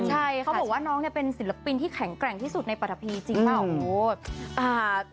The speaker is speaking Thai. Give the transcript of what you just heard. ใช่เขาบอกว่าน้องเนี่ยเป็นศิลปินที่แข็งแกร่งที่สุดในปรัฐพีจริงเปล่า